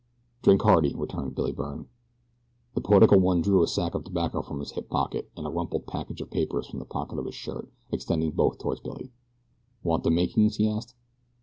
"Drink hearty," returned Billy Byrne. The poetical one drew a sack of tobacco from his hip pocket and a rumpled package of papers from the pocket of his shirt, extending both toward Billy. "Want the makings?" he asked.